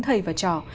thầy và trò